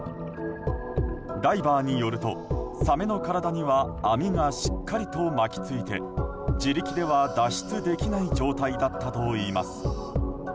ダイバーによると、サメの体には網がしっかりと巻き付いて自力では脱出できない状態だったといいます。